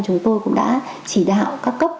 chúng tôi cũng đã chỉ đạo các cấp